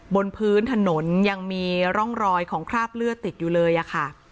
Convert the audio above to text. บนพื้นถนนยังมีร่องรอยของคราบเลือดติดอยู่เลยอะค่ะ